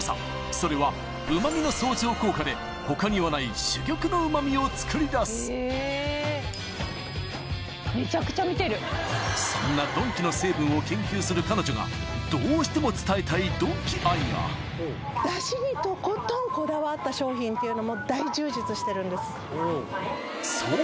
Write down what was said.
それはうま味の相乗効果で他にはない珠玉のうま味をつくりだすそんなドンキの成分を研究する彼女がどうしても伝えたいドンキ愛がとことんしてるんですそう